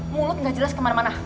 mulut gak jelas kemana mana